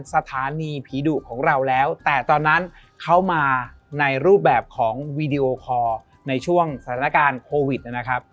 สถานีผีดุของเราแล้วแต่ตอนนั้นเขามาในรูปแบบของวีดีโอคอร์ในช่วงสถานการณ์โควิดนะครับ